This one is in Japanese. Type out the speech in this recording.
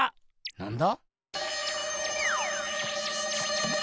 なんだ？